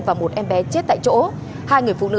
và một em bé chết tại chỗ hai người phụ nữ